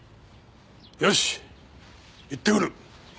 よし行ってくる。